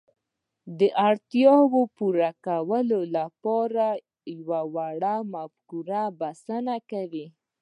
د اړتياوو د پوره کولو لپاره يوه وړه مفکوره بسنه کوي.